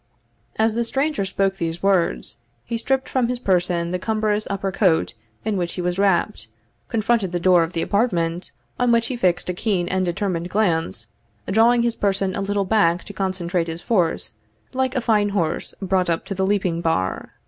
As the stranger spoke these words, he stripped from his person the cumbrous upper coat in which he was wrapt, confronted the door of the apartment, on which he fixed a keen and determined glance, drawing his person a little back to concentrate his force, like a fine horse brought up to the leaping bar.